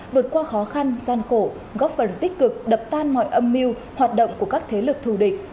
vượt qua khó khăn gian khổ góp phần tích cực đập tan mọi âm mưu hoạt động của các thế lực thù địch